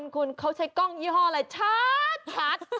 คุณเขาใช้กล้องยี่ห้ออะไรชัด